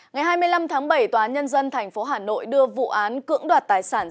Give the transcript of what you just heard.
ngày hai mươi năm tháng bảy tòa nhân dân tp hà nội đưa vụ án cưỡng đoạt tài sản